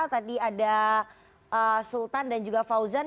tadi ada sultan dan juga fauzan